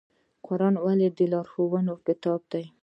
قرآن ولې د لارښوونې کتاب دی؟